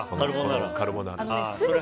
カルボナーラ。